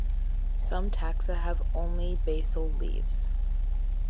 Some taxa have only basal leaves.